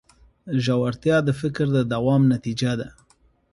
ژورتیا د فکر د دوام نتیجه ده.